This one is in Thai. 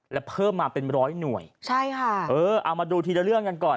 และเพิ่มมาเป็น๑๐๐หน่วยเออเอามาดูทีเรื่องกันก่อน